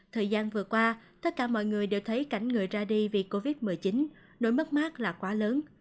thời gian vừa qua tất cả mọi người đều thấy cảnh người ra đi vì covid một mươi chín nỗi mất mát là quá lớn